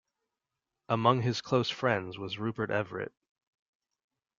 Among his close friends was Rupert Everett.